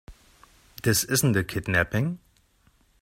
This isn't a kidnapping.